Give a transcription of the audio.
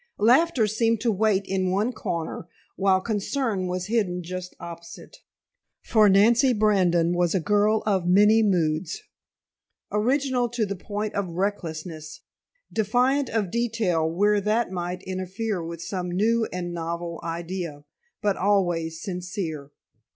Laughter seemed to wait in one corner while concern was hidden just opposite, for Nancy Brandon was a girl of many moods, original to the point of recklessness, defiant of detail where that might interfere with some new and novel idea, but always sincere.